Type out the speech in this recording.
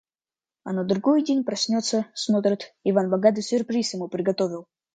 А на другой день проснется — смотрит, Иван Богатый сюрприз ему приготовил